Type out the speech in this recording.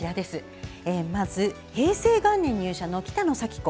まず平成元年入社の北野咲子。